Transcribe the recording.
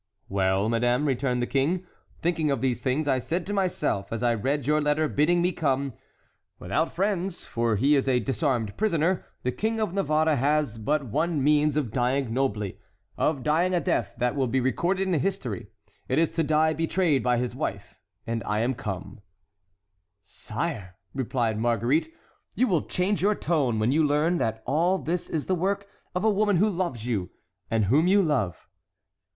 "Well, madame," returned the king, "thinking of these things, I said to myself, as I read your letter bidding me come: 'Without friends, for he is a disarmed prisoner, the King of Navarre has but one means of dying nobly, of dying a death that will be recorded in history. It is to die betrayed by his wife; and I am come'"— "Sire," replied Marguerite, "you will change your tone when you learn that all this is the work of a woman who loves you—and whom you love."